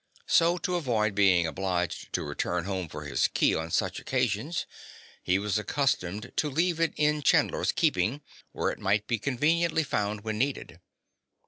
So, to avoid being obliged to return home for his key on such occasions, he was accustomed to leave it in Chandler's keeping, where it might be conveniently found when needed.